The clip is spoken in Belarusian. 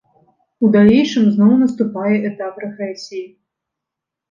У далейшым зноў наступае этап рэгрэсіі.